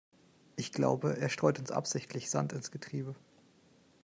Ich glaube, er streut uns absichtlich Sand ins Getriebe.